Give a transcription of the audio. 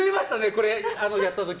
これやった時。